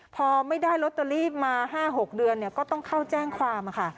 พอไม่ได้ลอตเตอรี่มา๕๖เดือนก็ต้องเข้าแจ้งความค่ะ